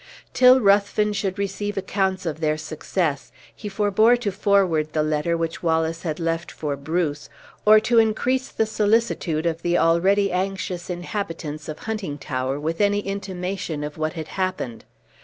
Till Ruthven should receive accounts of their success, he forbore to forward the letter which Wallace had left for Bruce, or to increase the solicitude of the already anxious inhabitants of Huntingtower with any intimation of what had happened.